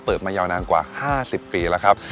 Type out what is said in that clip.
มายาวนานกว่า๕๐ปีแล้วครับ